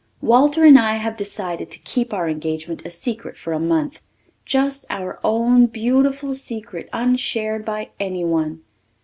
Walter and I have decided to keep our engagement a secret for a month just our own beautiful secret unshared by anyone.